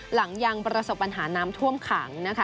หลังยังประสบปัญหาน้ำท่วมขังนะคะ